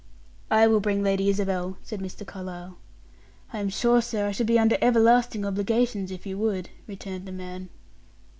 "I will bring Lady Isabel," said Mr. Carlyle. "I am sure, sir, I should be under everlasting obligations if you would," returned the man.